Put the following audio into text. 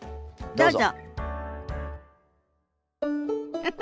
どうぞ。